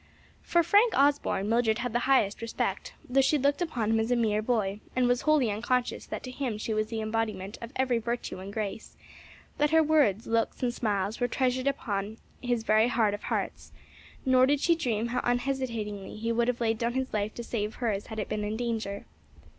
For Frank Osborne Mildred had the highest respect, though she looked upon him as a mere boy and was wholly unconscious that to him she was the embodiment of every virtue and grace; that her words, looks and smiles were treasured up in his very heart of hearts; nor did she dream how unhesitatingly he would have laid down his life to save hers had it been in danger.